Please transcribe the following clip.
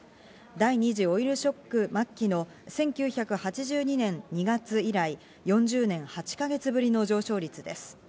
第２次オイルショック末期の１９８２年２月以来、４０年８か月ぶりの上昇率です。